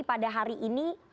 pada hari ini